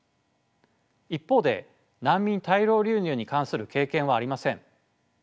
一方で難民大量流入に関する経験はありません。